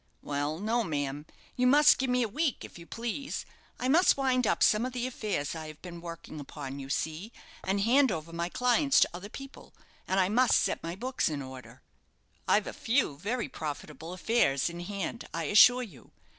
"Well, no, ma'am; you must give me a week, if you please. I must wind up some of the affairs I have been working upon, you see, and hand over my clients to other people; and I must set my books in order. I've a few very profitable affairs in hand, I assure you.